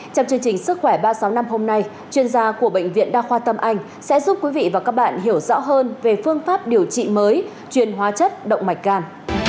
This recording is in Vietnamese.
trong chương trình sức khỏe ba trăm sáu mươi năm hôm nay chuyên gia của bệnh viện đa khoa tâm anh sẽ giúp quý vị và các bạn hiểu rõ hơn về phương pháp điều trị mới truyền hóa chất động mạch gan